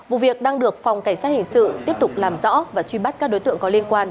vụ việc đang được phòng cảnh sát hình sự tiếp tục làm rõ và truy bắt các đối tượng có liên quan